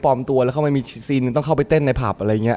ตัวแล้วเข้าไปมีซีนต้องเข้าไปเต้นในผับอะไรอย่างนี้